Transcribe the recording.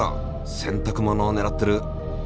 洗濯物をねらってる。